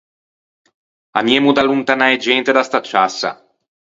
Ammiemmo d’allontanâ e gente de sta ciassa.